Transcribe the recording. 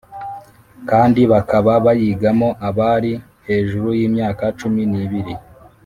kandi bakaba bayigamo abari hejuru y’imyaka cumi n’ibiri